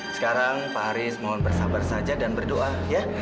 sekarang pak aris mohon bersabar saja dan berdoa ya